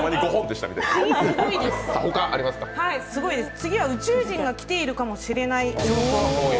次は宇宙人が来ているかもしれない情報です。